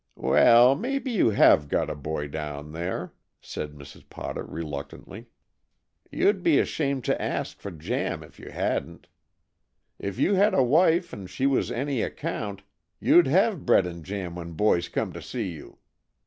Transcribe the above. "Well, maybe you have got a boy down there," said Mrs. Potter reluctantly. "You'd be ashamed to ask for jam if you hadn't. If you had a wife and she was any account you'd have bread and jam when boys come to see you.